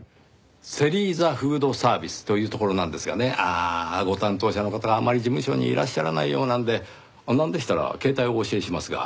セリーザフードサービスというところなんですがねああご担当者の方があまり事務所にいらっしゃらないようなのでなんでしたら携帯をお教えしますが。